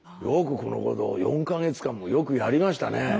よくこのことを４か月間もよくやりましたね。